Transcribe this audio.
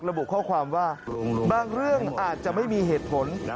ระบุข้อความว่าบางเรื่องอาจจะไม่มีเหตุผล